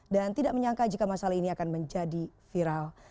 dan tidak menyangka jika masalah ini akan menjadi viral